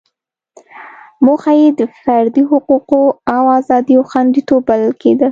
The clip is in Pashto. موخه یې د فردي حقوقو او ازادیو خوندیتوب بلل کېده.